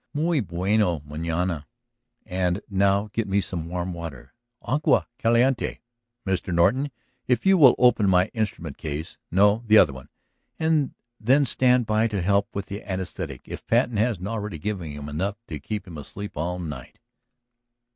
"Muy bueno manana. And now get me some warm water ... agua caliente. Mr. Norton, if you will open my instrument case ... no; the other one. And then stand by to help with the anaesthetic if Patten hasn't already given him enough to keep him asleep all night!"